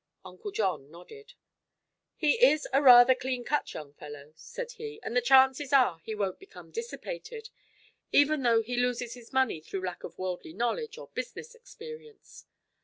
Uncle John nodded. "He is a rather clean cut young fellow," said he, "and the chances are he won't become dissipated, even though he loses his money through lack of worldly knowledge or business experience.